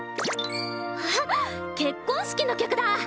あっ結婚式の曲だ！